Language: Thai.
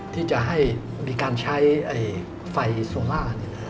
ที่จะให้มีการใช้ไฟโซล่า